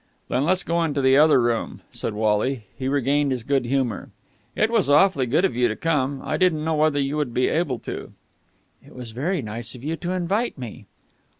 "Then let's go into the other room," said Wally. He regained his good humour. "It was awfully good of you to come. I didn't know whether you would be able to." "It was very nice of you to invite me."